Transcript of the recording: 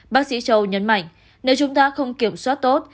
bác sĩ châu nhấn mạnh nếu chúng ta không kiểm soát tốt